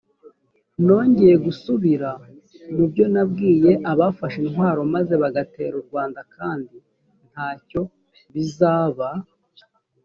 nongeye gusubira mu byo nabwiye abafashe intwaro maze bagatera u rwanda kandi nta cyo bizaba